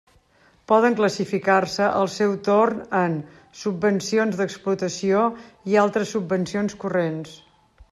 Poden classificar-se al seu torn en: subvencions d'explotació i altres subvencions corrents.